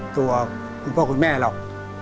ตัวคุณพ่อคุณแม่เรา